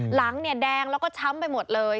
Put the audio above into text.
หลังเนี่ยแดงแล้วก็ช้ำไปหมดเลย